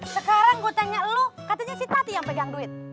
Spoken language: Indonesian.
sekarang gue tanya lu katanya si tati yang pegang duit